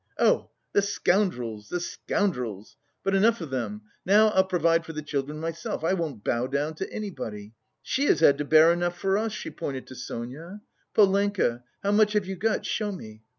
Oh, the scoundrels, the scoundrels! But enough of them, now I'll provide for the children myself, I won't bow down to anybody! She has had to bear enough for us!" she pointed to Sonia. "Polenka, how much have you got? Show me!